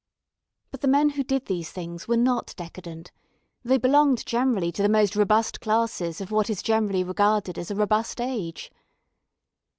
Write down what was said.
But the men who did these things were not decadent; they belonged generally to the most robust classes of what is generally regarded as a robust age.